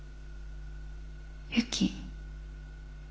ユキ？